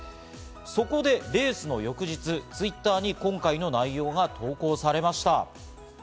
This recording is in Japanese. そこでレースの翌日、Ｔｗｉｔｔｅｒに今回の内容が投稿されました。